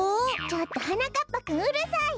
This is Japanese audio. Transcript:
ちょっとはなかっぱくんうるさい！